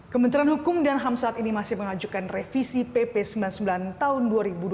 kementerian hukum dan ham saat ini masih mengajukan revisi pp sembilan puluh sembilan tahun dua ribu dua puluh